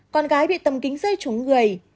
con gái bị tầm kính dây trúng người